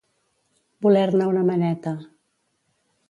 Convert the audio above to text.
Voler-ne una maneta.